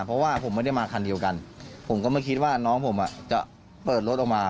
เพราะว่าผมไม่ได้มาคันเดียวกันผมก็ไม่คิดว่าน้องผมจะเปิดรถออกมา